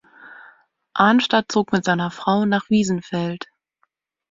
Arnstadt zog mit seiner Frau nach Wiesenfeld.